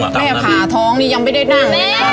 ผ่าท้องนี่ยังไม่ได้นั่งเลยนะ